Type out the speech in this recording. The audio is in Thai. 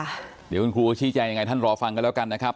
เดี๋ยวทีมนาน่ะคุณครูมิเชียยังไงท่านรอฟังกันแล้วกันนะครับ